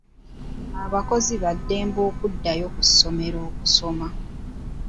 Abakozi ba ddembe okuddayo ku ssomero okusoma.